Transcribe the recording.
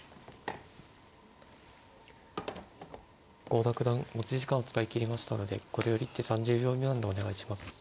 郷田九段持ち時間を使い切りましたのでこれより一手３０秒未満でお願いします。